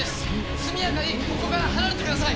速やかにここから離れてください。